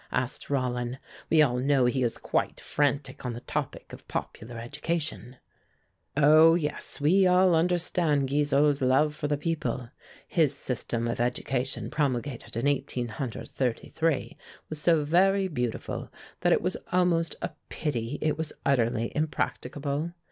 asked Rollin. "We all know he is quite frantic on the topic of popular education." "Oh! yes, we all understand Guizot's love for the people! His system of education promulgated in 1833 was so very beautiful that it was almost a pity it was utterly impracticable.